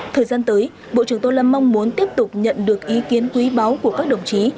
thời gian tới bộ trưởng tô lâm mong muốn tiếp tục nhận được ý kiến quý báu của các đồng chí